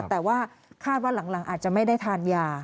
แต่ว่าคาดว่าหลังอาจจะไม่ได้ทานยา